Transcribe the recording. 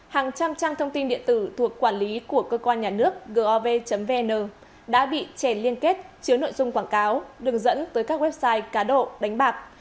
hàng trăm trang thông tin điện tử thuộc quản lý của cơ quan nhà nước gov vn đã bị chèn liên kết chứa nội dung quảng cáo đường dẫn tới các website cá độ đánh bạc